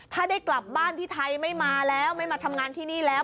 ถ้าได้กลับบ้านที่ไทยไม่มาแล้วไม่มาทำงานที่นี่แล้ว